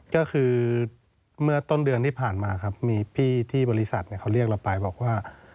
ก็คือเมื่อต้นเดือนที่ผ่านมาครับมีพี่ที่บริษัทเขาเรียกเราไปบอกว่า